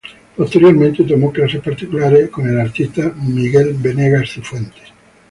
Posteriormente tomó clases particulares con el artista Miguel Venegas Cifuentes.